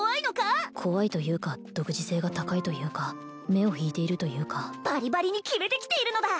怖いというか独自性が高いというか目を引いているというかバリバリにキメてきているのだ